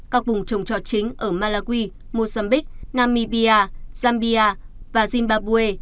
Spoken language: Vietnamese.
các vùng trồng trọt chính ở malawi mozambique namibia zambia và zimbabwe